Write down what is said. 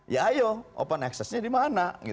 ya ayo open accessnya di mana